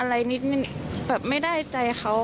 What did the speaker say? อะไรนิดนึงแบบไม่ได้ใจเขา